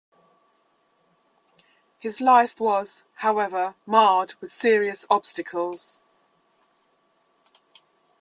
His life was, however, marred with serious obstacles.